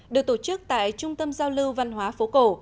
được tổ chức tại trung tâm giao lưu văn hóa phố cổ